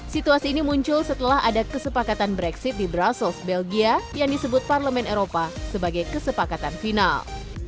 situasi ini muncul setelah ada kesepakatan brexit di brussels belgia yang disebut parlemen eropa sebagai kesepakatan final